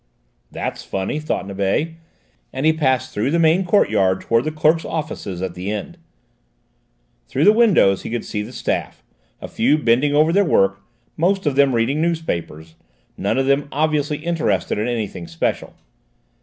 "That's funny!" thought Nibet, and he passed through the main courtyard towards the clerks' offices at the end. Through the windows he could see the staff, a few bending over their work, most of them reading newspapers, none of them obviously interested in anything special.